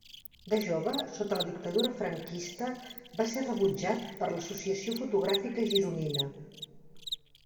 De jove, sota la dictadura franquista va ser rebutjat per l'Associació Fotogràfica Gironina.